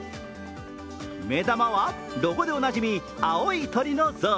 目玉はロゴでおなじみ、青い鳥の像。